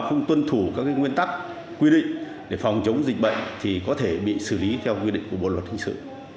không tuân thủ các nguyên tắc quy định để phòng chống dịch bệnh thì có thể bị xử lý theo quy định của bộ luật hình sự